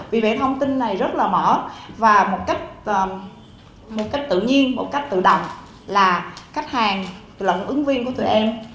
vì vậy thông tin này rất là mở và một cách tự nhiên một cách tự động là khách hàng lẫn ứng viên của tụi em